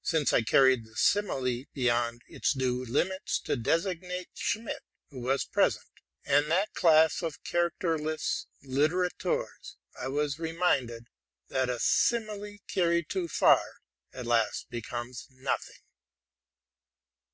Since I carried the simile beyond its due limits to designate Schmid, who was present, and that class of characterless litterateurs, I was reminded that a simile carried too far at last becomes nothing.